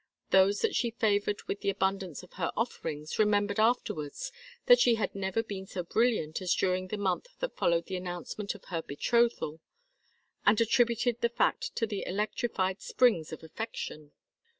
Those that she favored with the abundance of her offerings remembered afterwards that she had never been so brilliant as during the month that followed the announcement of her bethrothal, and attributed the fact to the electrified springs of affection.